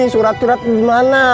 surat surat itu dimana